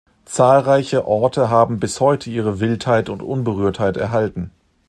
Zahlreiche Orte haben bis heute ihre Wildheit und Unberührtheit erhalten.